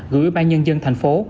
gửi ủy ban nhân dân thành phố